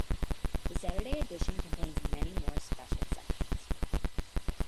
The Saturday edition contains many more special sections.